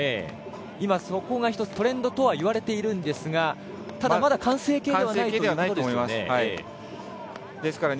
今そこが１つトレンドとは言われているんですがただ、完成形ではないということですね。